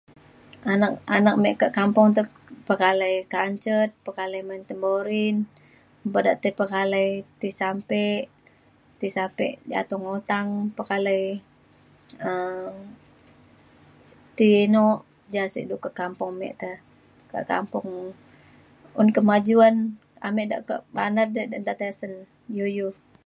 Anak anak mek ka kampung te pekalai kanjet pekalai main tamborine un pe da tai pekalai ti sape ti sape jatung utang pekalai um ti inuk ja si du ka kampung mek te. Ka kampung un kemajuan ame da ka bandar di nta tisen yu yu.